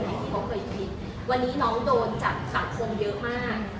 อย่างที่เขาเคยคิดวันนี้น้องโดนจับสังคมเยอะมาก